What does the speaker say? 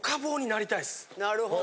なるほど。